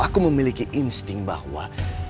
aku memiliki insting bahwa